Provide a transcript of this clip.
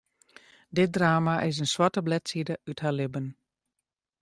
Dit drama is in swarte bledside út har libben.